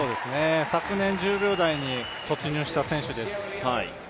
昨年１０秒台に突入した選手です。